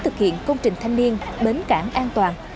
thực hiện công trình thanh niên bến cảng an toàn